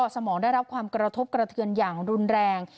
สมองได้รับความกระทบกระเทือนอย่างรุนแรง